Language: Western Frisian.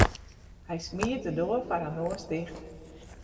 Hy smiet de doar foar har noas ticht.